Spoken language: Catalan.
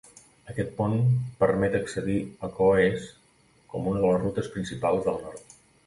Aquest pont permet accedir a Cohoes com una de les rutes principals del nord.